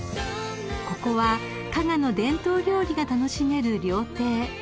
［ここは加賀の伝統料理が楽しめる料亭］